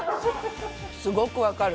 すごくわかる。